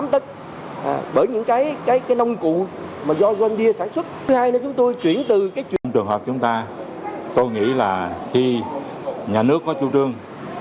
trong trường hợp chúng ta tôi nghĩ là khi nhà nước có chủ trương